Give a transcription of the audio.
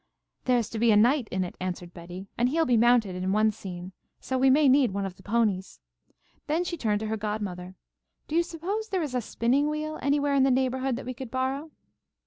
"There's to be a knight in it," answered Betty, "and he'll be mounted in one scene. So we may need one of the ponies." Then she turned to her godmother. "Do you suppose there is a spinning wheel anywhere in the neighbourhood that we could borrow?"